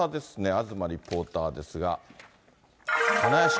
東リポーターですが、花やしき。